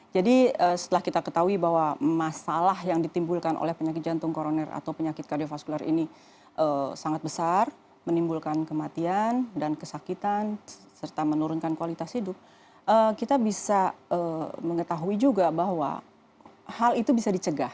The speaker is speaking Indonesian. jadi setelah kita ketahui bahwa masalah yang ditimbulkan oleh penyakit jantung koroner atau penyakit kardiovaskular ini sangat besar menimbulkan kematian dan kesakitan serta menurunkan kualitas hidup kita bisa mengetahui juga bahwa hal itu bisa dicegah